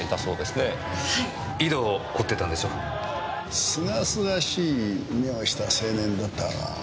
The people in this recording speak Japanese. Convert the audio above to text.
すがすがしい目をした青年だったがなあ。